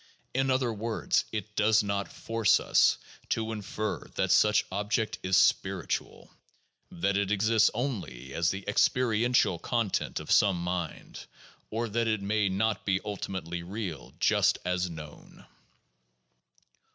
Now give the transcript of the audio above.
In other words, it does not force us to infer that such object is spiritual, that it exists only as the experiential content of some mind, or that it may not be ultimately real just as known.